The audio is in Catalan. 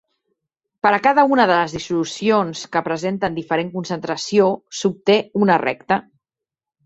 Per a cada una de les dissolucions que presenten diferent concentració, s'obté una recta.